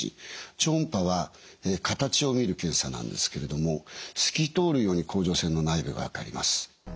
超音波は形を見る検査なんですけれども透き通るように甲状腺の内部が分かります。